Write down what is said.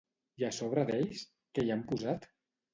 I a sobre d'ells, què hi han posat?